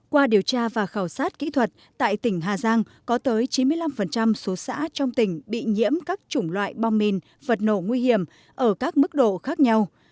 qua điều tra và khảo sát kỹ thuật tại tỉnh hà giang có tới chín mươi năm số xã trong tỉnh bị nhiễm các chủng loại bom mìn vật nổ nguy hiểm ở các mức độ khác nhau